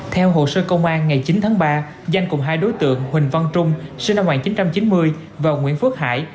theo hồ sơ công an ngày chín tháng ba danh cùng hai đối tượng huỳnh văn trung sinh năm một nghìn chín trăm chín mươi và nguyễn phước hải